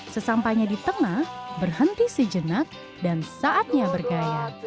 sesampainya di tengah berhenti sejenak dan saatnya bergaya